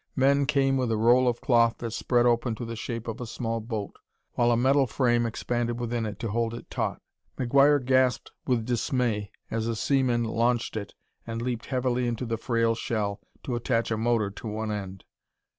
Men came with a roll of cloth that spread open to the shape of a small boat, while a metal frame expanded within it to hold it taut. McGuire gasped with dismay as a seaman launched it and leaped heavily into the frail shell to attach a motor to one end.